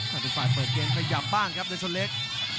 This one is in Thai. ถ้าเป็นฝ่ายเปิดเกณฑ์พยายามบ้างครับเดินชนเล็ก